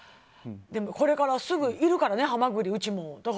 でも、これからいるからねハマグリ、うちも。